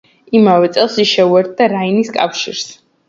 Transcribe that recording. იმავე წელს, ის შეუერთდა რაინის კავშირს.